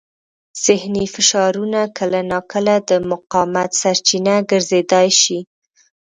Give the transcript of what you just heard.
ذهني فشارونه کله ناکله د مقاومت سرچینه ګرځېدای شي.